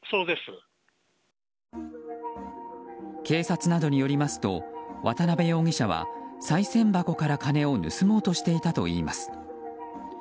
警察などによりますと渡辺容疑者はさい銭箱から金を盗もうとしていたといいます。